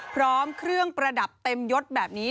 พร้อมเครื่องประดับเต็มยดแบบนี้